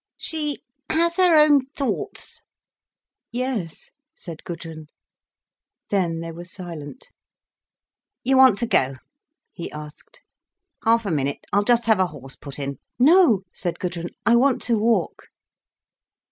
"She has her own thoughts." "Yes," said Gudrun. Then they were silent. "You want to go?" he asked. "Half a minute, I'll just have a horse put in—" "No," said Gudrun. "I want to walk."